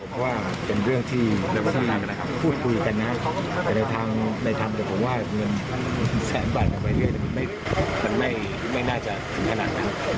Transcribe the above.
มันไม่น่าจะถึงขนาดนั้นครับ